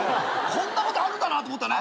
こんなことあるんだなと思ったね。